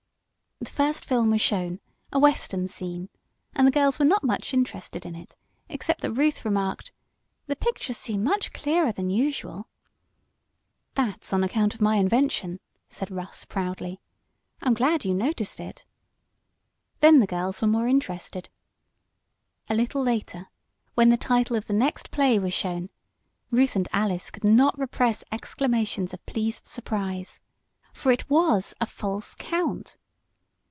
The first film was shown a western scene, and the girls were not much interested in it, except that Ruth remarked: "The pictures seem much clearer than usual." "That's on account of my invention," said Russ, proudly. "I'm glad you noticed it." Then the girls were more interested. A little later, when the title of the next play was shown, Ruth and Alice could not repress exclamations of pleased surprise. For it was "A False Count!"